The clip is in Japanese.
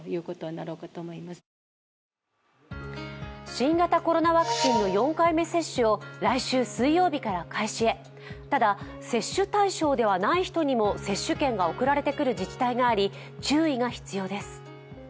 新型コロナワクチンの４回目接種を来週水曜日から開始へただ、接種対象ではない人にも接種券が送られてくる自治体があり注意が必要です。